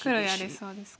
そうですね。